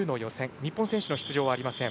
日本選手の出場はありません。